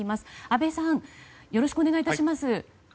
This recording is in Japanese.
安倍さんよろしくお願い致します。